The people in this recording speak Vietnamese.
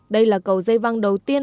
đây là cầu dây văng đầu tiên